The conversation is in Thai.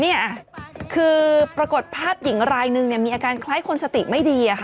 เนี่ยคือปรากฏภาพหญิงรายนึงเนี่ยมีอาการคล้ายคนสติไม่ดี